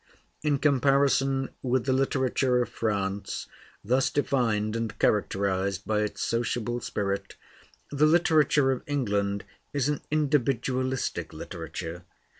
In comparison with the literature of France, thus defined and characterized by its sociable spirit, the literature of England is an individualistic literature.